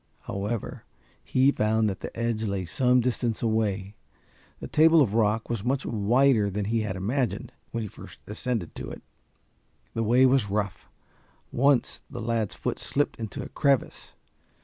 However, he found that the edge lay some distance away. The table of rock was much wider than he had imagined, when he first ascended to it. The way was rough. Once the lad's foot slipped into a crevice.